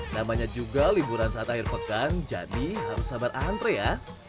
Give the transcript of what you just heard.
namanya juga liburan saat akhir pekan jadi harus sabar antre ya